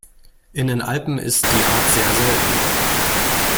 In den Alpen ist die Art sehr selten.